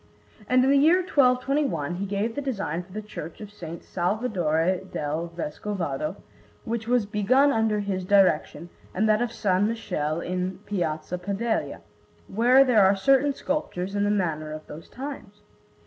And in the year 1221 he gave the design for the Church of S. Salvadore del Vescovado, which was begun under his direction, and that of S. Michele in Piazza Padella, where there are certain sculptures in the manner of those times.